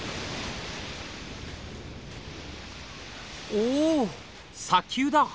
お砂丘だ。